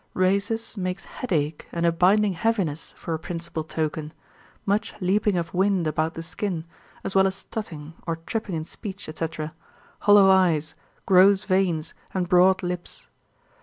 Rhasis makes headache and a binding heaviness for a principal token, much leaping of wind about the skin, as well as stutting, or tripping in speech, &c., hollow eyes, gross veins, and broad lips.